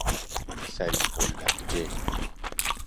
صریح اللهجه